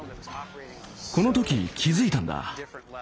この時気付いたんだ。